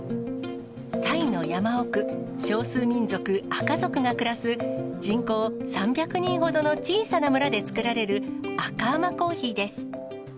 タイの山奥、少数民族、アカ族が暮らす人口３００人ほどの小さな村で作られる、アカアマコーヒーです。